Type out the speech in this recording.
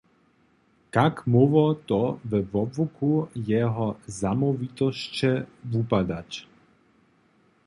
Kak móhło to we wobłuku jeho zamołwitosće wupadać?